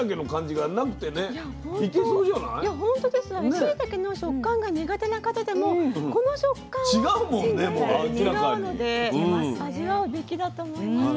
しいたけの食感が苦手な方でもこの食感は違うので味わうべきだと思いました。